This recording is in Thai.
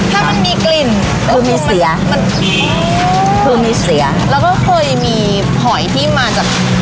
ถ้ามันมีกลิ่นคือมีเสียมันคือมีเสียแล้วก็เคยมีหอยที่มาจาก